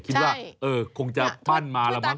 คิดว่าเออคงจะปั้นมาแล้วมั้